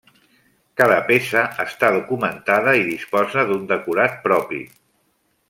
Cada peça està documentada i disposa d'un decorat propi.